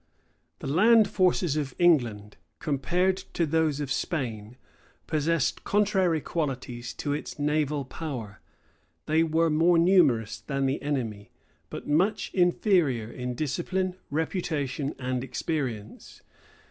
The land forces of England, compared to those of Spain, possessed contrary qualities to its naval power: they were more numerous than the enemy, but much inferior in discipline, reputation, and experience.